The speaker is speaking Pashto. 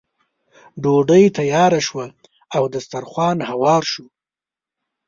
ډوډۍ تیاره شوه او دسترخوان هوار شو.